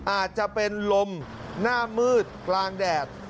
อาจจะเป็นลมหน้ามืดกลางแดด